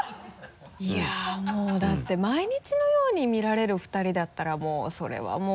いやもうだって毎日のように見られる２人だったらそれはもう。